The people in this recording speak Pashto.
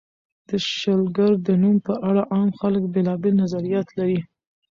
د شلګر د نوم په اړه عام خلک بېلابېل نظریات لري.